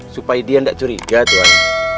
supaya dia enggak curiga tuan